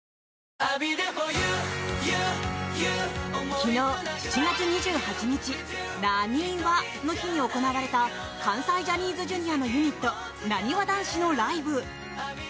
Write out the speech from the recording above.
昨日７月２８日なにわの日に行われた関西ジャニーズＪｒ．のユニットなにわ男子のライブ。